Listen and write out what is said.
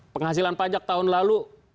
penghasilan pajak tahun lalu